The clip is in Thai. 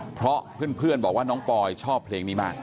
เพราะเพื่อนบอกว่าน้องปอยชอบเพลงนี้มาก